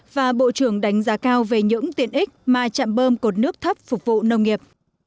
và bộ trưởng đánh giá cao về những tiện ích mà trạm bơm cột nước thấp phục vụ nông nghiệp